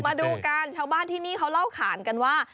มาดูกันชาวบ้านที่นี่เขาเล่าขานกันว่า